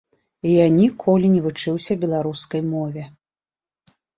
Я ніколі не вучыўся беларускай мове.